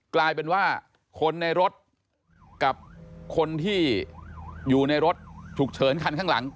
กลายเป็นว่าคนในรถกับคนที่อยู่ในรถฉุกเฉินคันข้างหลัง